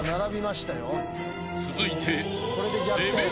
［続いて］